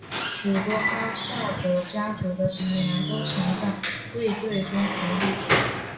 许多阿萨德家族的成员都曾在卫队中服役。